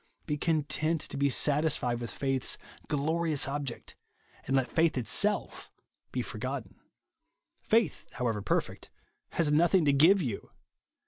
Be content to be satisfied with faith's glorious object, and let faith it self be forgotten. Faith, however perfect, has nothing to give you.